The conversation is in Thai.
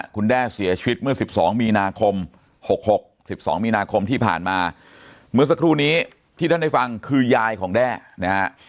คุณแด้เสียชีวิตเมื่อ๑๒มีนาคม๖๖๑๒มีนาคมที่ผ่านมาเมื่อสักครู่นี้ที่ท่านได้ฟังคือยายของแด้นะฮะ